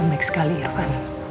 semangat sekali irfan